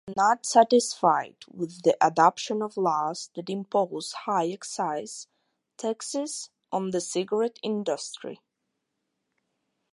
We are not satisfied with the adoption of laws that impose high excise taxes on the cigarette industry.